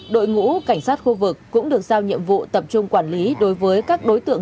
đội ngũ cảnh sát khu vực cũng được giao nhiệm vụ tập trung quản lý đối với các đối tượng